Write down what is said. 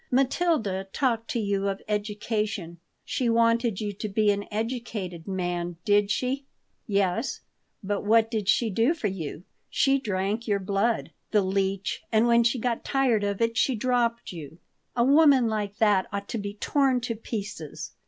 "Matilda talked to you of education. She wanted you to be an educated man, did she? Yes, but what did she do for you? She drank your blood, the leech, and when she got tired of it she dropped you. A woman like that ought to be torn to pieces.